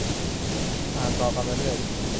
อ่านต่อกันมาเรื่อย